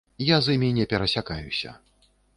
Я з імі не перасякаюся.